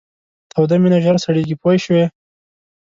توده مینه ژر سړیږي پوه شوې!.